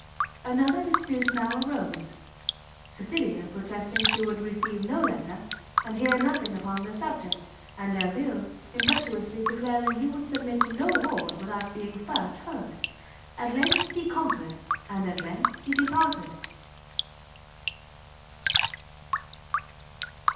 Another dispute now arose; Cecilia protesting she would receive no letter, and hear nothing upon the subject; and Delvile impetuously declaring he would submit to no award without being first heard. At length he conquered, and at length he departed.